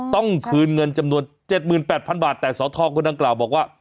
ต้องคืนเงินจำนวน๗๘๐๐๐บาทแต่สทคนดังกล่าวบอกว่า